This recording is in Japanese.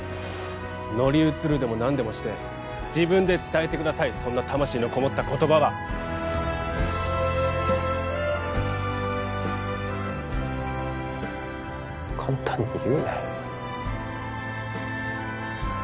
乗り移るでも何でもして自分で伝えてくださいそんな魂のこもった言葉は簡単に言うなよ